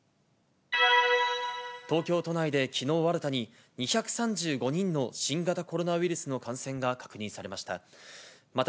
東京都内できのう新たに２３５人の新型コロナウイルスの感染が確認されました。